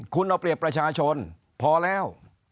คุณเอาเปรียบประชาชนพอแล้ว